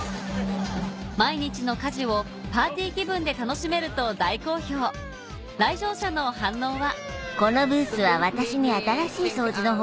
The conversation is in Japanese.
毎日の家事をパーティー気分で楽しめると大好評来場者の反応は？